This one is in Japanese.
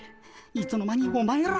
いつの間にお前ら。